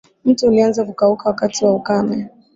mto ulianza kukauka wakati wa ukame